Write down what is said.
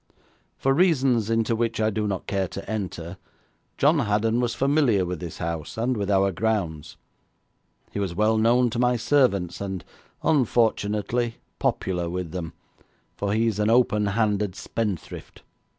For reasons into which I do not care to enter, John Haddon was familiar with this house, and with our grounds. He was well known to my servants, and, unfortunately, popular with them, for he is an openhanded spendthrift.